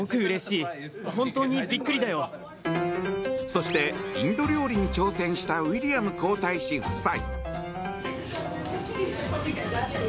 そして、インド料理に挑戦したウィリアム皇太子夫妻。